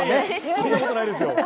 そんなことないですよ。